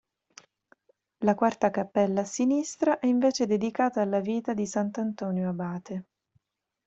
La quarta cappella a sinistra è invece dedicata alla vita di sant'Antonio Abate.